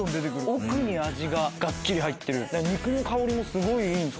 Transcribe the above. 奥に味ががっちり入ってる肉の香りもすごいいいですね。